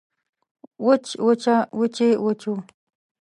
وچ وچه وچې وچو